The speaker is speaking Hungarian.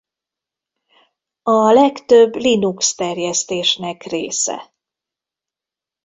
A legtöbb Linux terjesztésnek része.